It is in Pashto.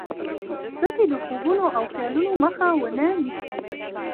ستاسې د خوبونو او خيالونو مخه و نه نيسي.